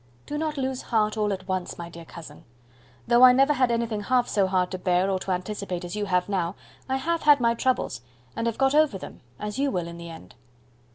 Do not lose heart all at once, my dear cousin. Though I never had anything half so hard to bear or to anticipate as you have now, I have had my troubles, and have got over them, as you will in the end."